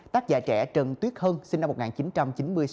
tác giả trẻ trần tuyết hân sinh năm một nghìn chín trăm chín mươi sáu